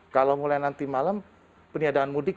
kalau mulai nanti malam peniadaan mudik